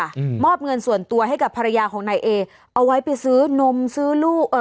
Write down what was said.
อืมมอบเงินส่วนตัวให้กับภรรยาของนายเอเอาไว้ไปซื้อนมซื้อลูกเอ่อ